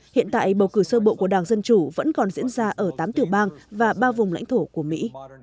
hiện tại bầu cử sơ bộ của đảng dân chủ vẫn còn diễn ra ở tám tiểu bang và ba vùng lãnh thổ của mỹ